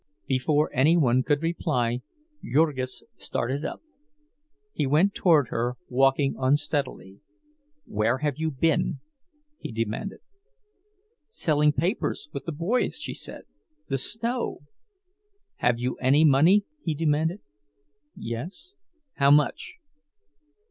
Before anyone could reply, Jurgis started up; he went toward her, walking unsteadily. "Where have you been?" he demanded. "Selling papers with the boys," she said. "The snow—" "Have you any money?" he demanded. "Yes." "How much?"